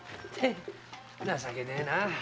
情けねえな。